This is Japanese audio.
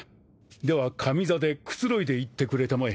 では上座でくつろいでいってくれたまえ。